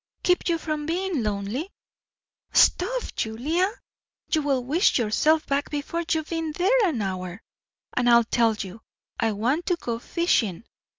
"Keep you from being lonely." "Stuff, Julia! You will wish yourself back before you've been there an hour; and I tell you, I want to go fishing.